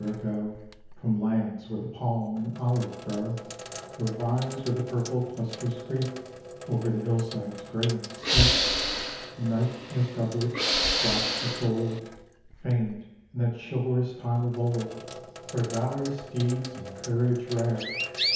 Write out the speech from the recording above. They tell us that many a year ago, From lands where the palm and olive grow, Where vines with their purple clusters creep Over the hillsides gray and steep, A knight in his doublet, slashed with gold, Famed in that chivalrous time of old. For valorous deeds and courage rare.